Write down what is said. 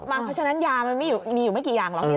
เพราะฉะนั้นยามันมีอยู่ไม่กี่อย่างหรอก